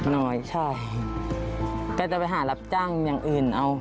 น้อยใช่ก็จะไปหารับจ้างอย่างอื่นเอา